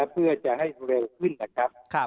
เพื่อจะให้เร็วขึ้นนะครับ